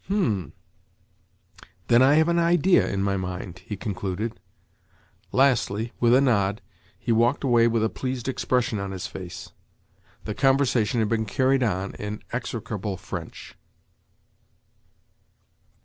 "Hm! Then I have an idea in my mind," he concluded. Lastly, with a nod, he walked away with a pleased expression on his face. The conversation had been carried on in execrable French.